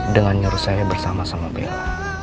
dengan nyuruh saya bersama sama bella